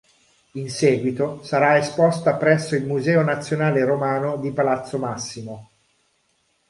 In seguito sarà esposta presso il Museo nazionale romano di palazzo Massimo.